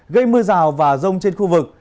gây mưa rào và rông trên khu vực